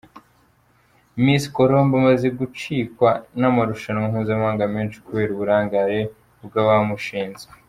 Miss Colombe amaze gucikwa n’amarushanwa mpuzamahanga menshi kubera uburangare bw’abamushinzwe.